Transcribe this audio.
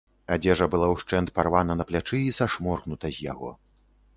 Адзежа была ўшчэнт парвана на плячы і сашморгнута з яго.